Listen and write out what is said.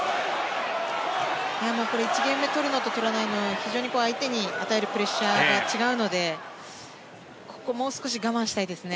１ゲーム目取るのと取らないのとでは非常に相手に与えるプレッシャーが違うのでここもう少し我慢したいですね。